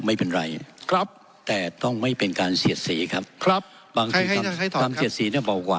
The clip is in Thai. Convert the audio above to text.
ไม่เป็นไรครับแต่ต้องไม่เป็นการเสียดสีครับครับบางทีความเสียดสีเนี่ยเบากว่า